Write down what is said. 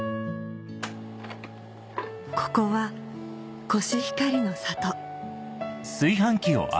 ここはコシヒカリの里